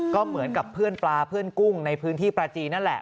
ก็เหมือนกับเพื่อนปลาเพื่อนกุ้งในพื้นที่ปลาจีนนั่นแหละ